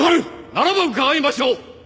ならば伺いましょう！